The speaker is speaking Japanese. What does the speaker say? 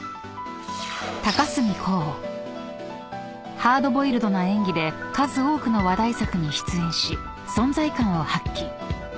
［ハードボイルドな演技で数多くの話題作に出演し存在感を発揮］